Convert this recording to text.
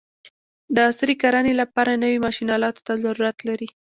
د عصري کرانې لپاره نوي ماشین الاتو ته ضرورت لري.